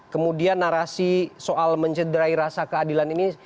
kemudian narasi soal mencederai rasa keadilan ini